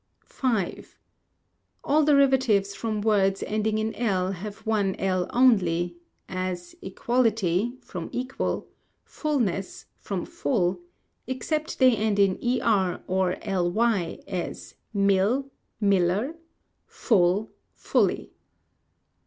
v. All derivatives from words ending in l have one l only; as, equality, from equal; fulness, from full; except they end in er or ly; as, mill, miller; full, fully.